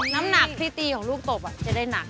น้ำหนักพี่กลีของลูกตบอ่ะอ่ะจะได้หนัก